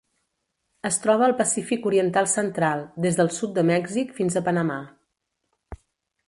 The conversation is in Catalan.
Es troba al Pacífic oriental central: des del sud de Mèxic fins a Panamà.